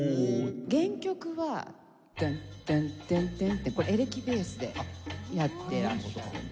原曲は「テンテンテンテン」ってこれエレキベースでやってらっしゃるんですよ。